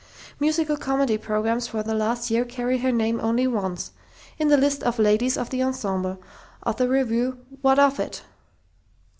Musical comedy programs for the last year carry her name only once, in the list of "Ladies of the Ensemble" of the revue, "What of it?"